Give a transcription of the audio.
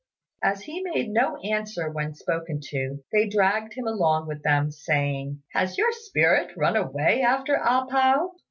As he made no answer when spoken to, they dragged him along with them, saying, "Has your spirit run away after A pao?"